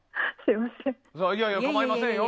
いやいやかまいませんよ。